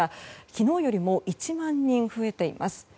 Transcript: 昨日よりも１万人増えています。